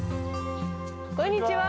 こんにちは。